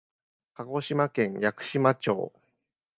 鹿児島県屋久島町